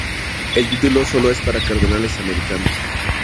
El título sólo es para cardenales americanos